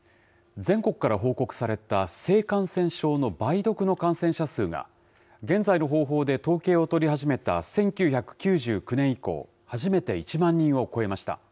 全国から報告された性感染症の梅毒の感染者数が現在の方法で統計を取り始めた１９９９年以降、初めて１万人を超えました。